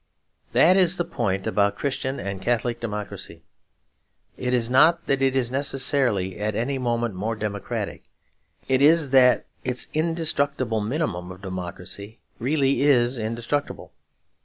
That is the point about Christian and Catholic democracy; it is not that it is necessarily at any moment more democratic, it is that its indestructible minimum of democracy really is indestructible.